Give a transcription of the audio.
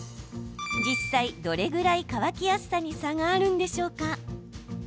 実際、どれぐらい乾きやすさに差があるんでしょうか？